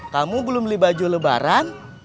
kamu belum beli baju lebaran